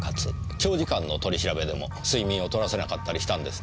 長時間の取り調べでも睡眠を取らせなかったりしたんですね？